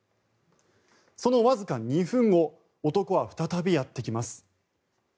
そのわずか２分後男は再びやってきます。